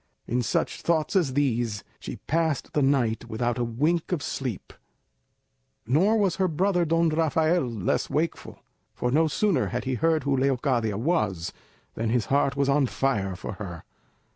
In such thoughts as these she passed the night without a wink of sleep; nor was her brother Don Rafael less wakeful; for no sooner had he heard who Leocadia was, than his heart was on fire for her.